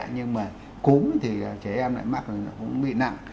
nhưng mà cúm thì trẻ em lại mắc là cũng bị nặng